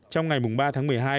trong ngày ba tháng một mươi hai